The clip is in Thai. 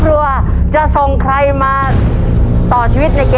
แล้วนี้คือภูกภัณฑ์สำหรับโจทย์ข้อนี้ครับ